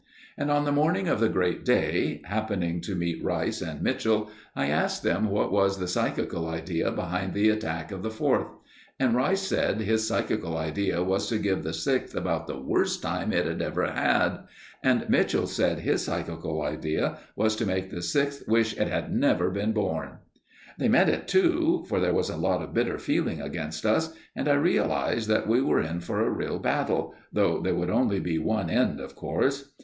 And on the morning of the great day, happening to meet Rice and Mitchell, I asked them what was the psychical idea behind the attack of the Fourth; and Rice said his psychical idea was to give the Sixth about the worst time it had ever had; and Mitchell said his psychical idea was to make the Sixth wish it had never been born. They meant it, too, for there was a lot of bitter feeling against us, and I realised that we were in for a real battle, though there could only be one end, of course.